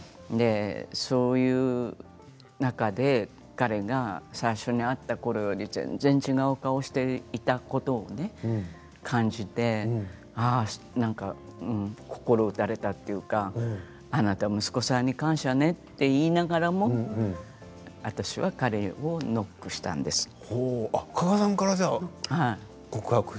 そういう中で彼が最初に会ったころより全然違う顔をしていたことをね感じてああ、何か心を打たれたというかあなた、息子さんに感謝ねと言いながらも加賀さんから告白を？